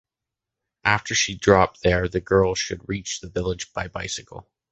After she drop there, the girl should reach the village by bicycle.